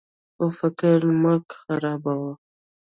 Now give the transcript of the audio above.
خو فکر مه خرابوه.